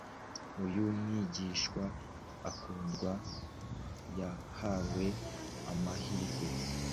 Uyu mwigishwa ukundwa yahawe amahirwe